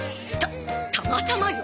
たたまたまよ。